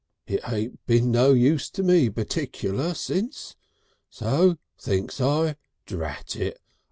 It ain't been no use to me particular since, so thinks I, drat it!